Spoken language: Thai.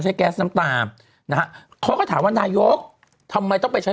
แก๊สน้ำตาลนะฮะเขาก็ถามว่านายกทำไมต้องไปใช้